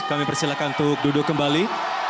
kami persilahkan untuk duduk kembali